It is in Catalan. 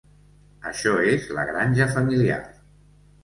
Això és la granja familiar.